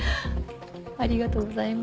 ありがとうございます。